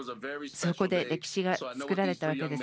そこで歴史が作られたわけです。